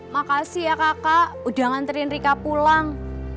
makasih ya kakak udah nganterin rika pulang